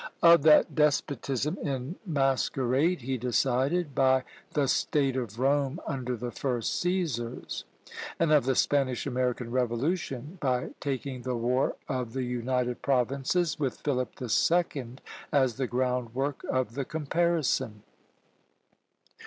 "Of that despotism in masquerade" he decided by "the state of Rome under the first Cæsars;" and of the Spanish American Revolution, by taking the war of the United Provinces with Philip the Second as the groundwork of the comparison.